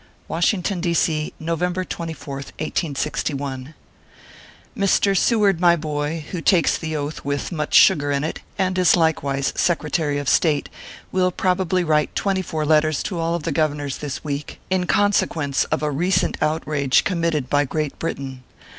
WASHINGTON, D. C., November 24th, 1861. MR. SEWARD, my boy, who takes the Oath with much sugar in it, and is likewise Secretary of State, will probably write twenty four letters to all the Governors this week, in consequence of a recent out rage committed by Great Britain.